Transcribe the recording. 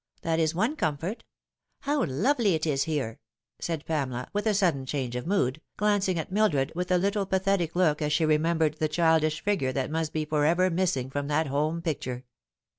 That is one comfort. How lovely it is here 1" said Pamela, with a sudden change of mood, glancing at Mildred with a little pathetic look as she remembered the childish figure that must be for ever missing from that home picture.